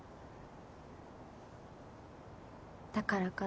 だからかな？